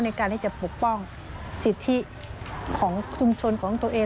ในการที่จะปกป้องสิทธิของชุมชนของตัวเอง